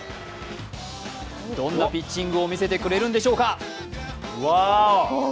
どんなピッチングを見せてくれるんでしょうか？